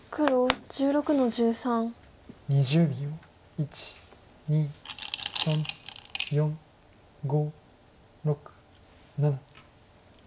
１２３４５６７。